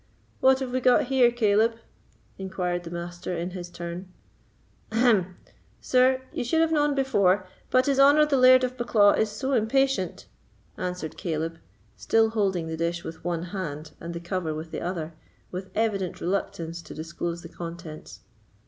"What have we got here, Caleb?" inquired the Master in his turn. "Ahem! sir, ye suld have known before; but his honour the Laird of Bucklaw is so impatient," answered Caleb, still holding the dish with one hand and the cover with the other, with evident reluctance to disclose the contents.